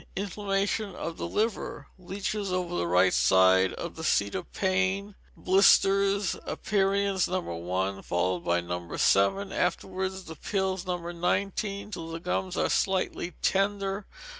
Inflammation of the Liver. Leeches over the right side, the seat of pain, blisters, aperients No. 1, followed by No. 7, afterwards the pills No. 19, till the gums are slightly tender.